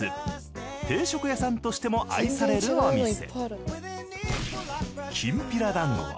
定食屋さんとしても愛されるお店。